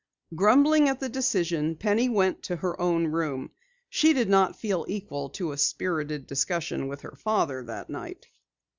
Grumbling at the decision, Penny went to her own room. She did not feel equal to a spirited discussion with her father that night.